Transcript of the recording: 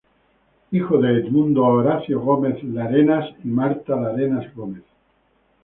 Hijo de Edmundo Horacio Gómez Larenas y Marta Larenas Gómez.